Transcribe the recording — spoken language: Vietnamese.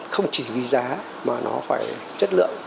không chỉ vì giá mà nó phải chất lượng